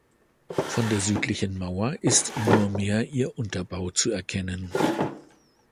Von der südlichen Mauer ist nur mehr ihr Unterbau zu erkennen.